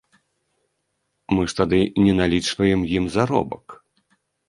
Мы ж тады не налічваем ім заробак.